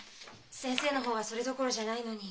先生の方はそれどころじゃないのに。